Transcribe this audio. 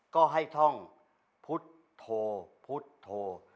ก็ให้ท่องพุทธโธพุทธโธ